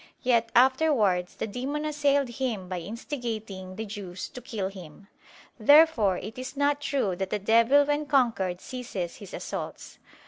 Yet afterwards the demon assailed Him by instigating the Jews to kill Him. Therefore it is not true that the devil when conquered ceases his assaults.